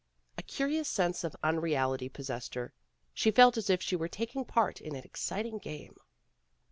A curious sense of unreality possessed her. She felt as if she were taking part in an exciting game.